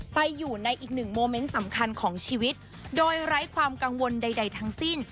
ไปอยู่ในอีกหนึ่งโมเมนต์สำคัญของชีวิตโดยไร้ความกังวลใดทั้งสิ้น